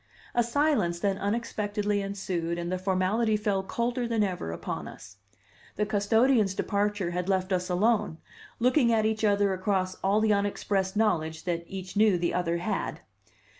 A silence then unexpectedly ensued and the formality fell colder than ever upon us. The custodian's departure had left us alone, looking at each other across all the unexpressed knowledge that each knew the other had.